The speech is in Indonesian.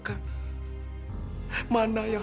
allah tidak pernah membedakan